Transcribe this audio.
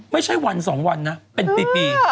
ไม่ใช่วัน๒วันนะเป็นปี